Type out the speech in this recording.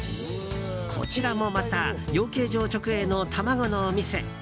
こちらもまた養鶏場直営の卵のお店。